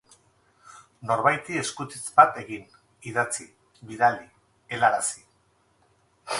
Norbaiti eskutitz bat egin, idatzi, bidali, helarazi.